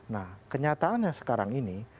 nah kenyataannya sekarang ini